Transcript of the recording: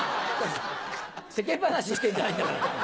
世間話してんじゃないんだから。